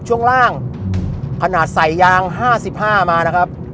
ช่วงล่างขนาดใส่ยาง๕๕มานะครับ